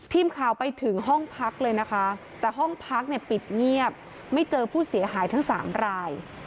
ทีมข่าวไปถึงห้องพักเลยนะคะแต่ห้องพักเนี่ยปิดเงียบไม่เจอผู้เสียหายทั้ง๓ราย